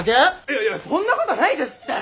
いやいやそんなことないですって！